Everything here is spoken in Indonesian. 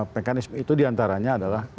mekanisme itu diantaranya adalah